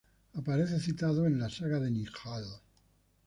Aparece citado en la "saga de Njál".